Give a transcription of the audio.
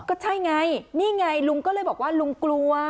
ก็ใช่ไงนี่ไงลุงก็เลยบอกว่าลุงกลัว